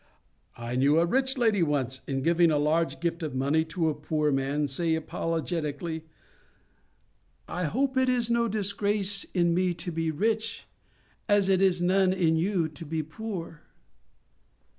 I knew a rich lady once, in giving a large gift of money to a poor man, say apologetically, 'I hope it is no disgrace in me to be rich, as it is none in you to be poor.